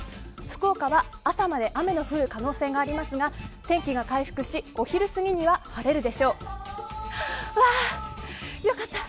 福岡は朝まで雨の降る可能性がありますが天気は回復しお昼過ぎには張れるでしょう。